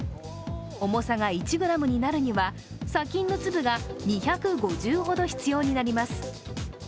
重さが１ｇになるには砂金の粒が２５０ほど必要になります。